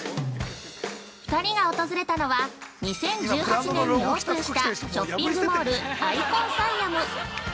◆２人が訪れたのは２０１８年にオープンしたショッピングモールアイコンサイアム。